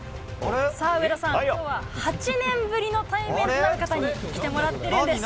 さあ、上田さん、きょうは８年ぶりの対面となる方に来てもらってるんです。